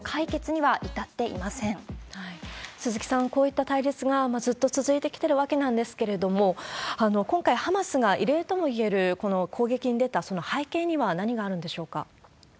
今も、鈴木さん、こういった対立がずっと続いてきてるわけなんですけれども、今回、ハマスが異例ともいえるこの攻撃に出た背景には何があるんでしょうか？